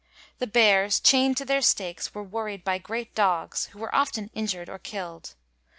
The bears, chaind to their stakes, were worried by great dogs, who were often injiu'ed or killd.